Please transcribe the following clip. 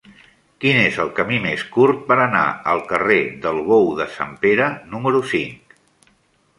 Quin és el camí més curt per anar al carrer del Bou de Sant Pere número cinc?